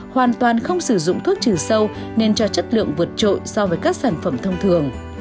hoàn toàn không sử dụng thuốc trừ sâu nên cho chất lượng vượt trội so với các sản phẩm thông thường